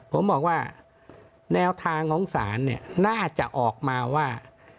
ผมบอกว่าแนวทางของศาลเนี่ยน่าจะออกมาว่า